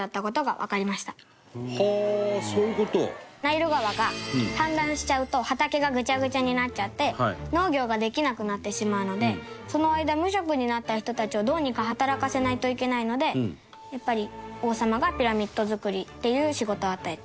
環子ちゃん：ナイル川が氾濫しちゃうと畑がグチャグチャになっちゃって農業ができなくなってしまうのでその間、無職になった人たちをどうにか働かせないといけないのでやっぱり、王様がピラミッド作りっていう仕事を与えた。